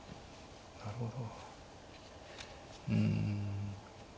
なるほど。